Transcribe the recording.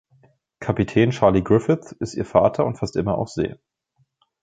Kapitän Charlie Griffiths ist ihr Vater und fast immer auf See.